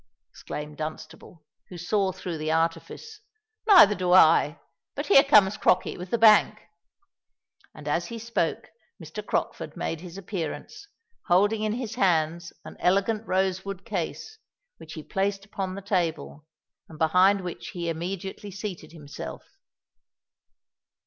exclaimed Dunstable, who saw through the artifice: "neither do I. But here comes Crockey with the bank." And, as he spoke, Mr. Crockford made his appearance, holding in his hands an elegant rosewood case, which he placed upon the table, and behind which he immediately seated himself.